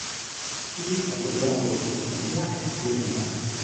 Il capoluogo di contea è Winona.